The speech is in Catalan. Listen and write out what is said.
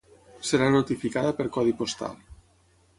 Serà notificada per codi postal.